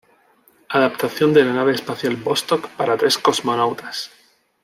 Adaptación de la nave espacial Vostok para tres cosmonautas.